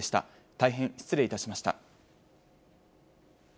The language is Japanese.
大変失礼いたしました。